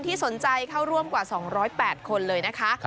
สนใจเข้าร่วมกว่า๒๐๘คนเลยนะคะ